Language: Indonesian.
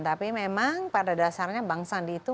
tapi memang pada dasarnya bang sandi itu